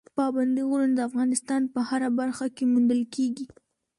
پابندي غرونه د افغانستان په هره برخه کې موندل کېږي.